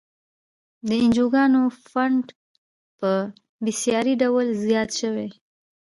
د انجوګانو فنډ په بیسارې ډول زیات شوی.